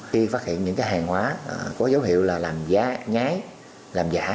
khi phát hiện những hàng hóa có dấu hiệu là làm giá nhái làm giả